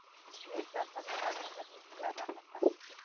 مس د افغانستان د زرغونتیا نښه ده.